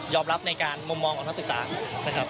รับในการมุมมองของนักศึกษานะครับ